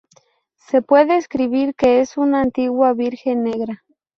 Se puede escribir que es una "antigua" Virgen negra.